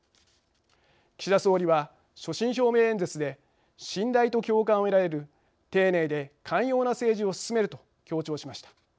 岸田総理は所信表明演説で信頼と共感を得られる丁寧で寛容な政治を進めると強調しました。